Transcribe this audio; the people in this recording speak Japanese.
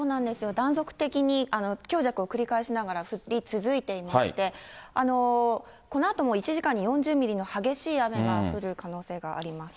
断続的に強弱をくり返しながら降り続いていまして、このあとも１時間に４０ミリの激しい雨が降る可能性があります。